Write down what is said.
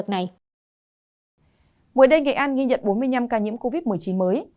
ngoài đây nghệ an nghi nhận bốn mươi năm ca nhiễm covid một mươi chín mới